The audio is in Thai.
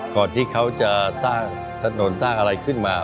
ก่อนที่เขาจะสร้างถนนสร้างอะไรขึ้นมา